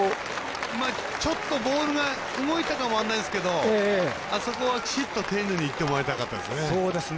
ちょっとボールが動いたかも分からないですけどあそこは、きちっと丁寧にいってもらいたかったですね。